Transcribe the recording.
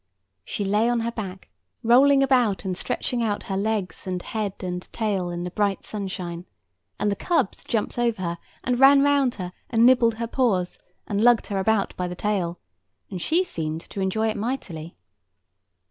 She lay on her back, rolling about, and stretching out her legs and head and tail in the bright sunshine; and the cubs jumped over her, and ran round her, and nibbled her paws, and lugged her about by the tail; and she seemed to enjoy it mightily.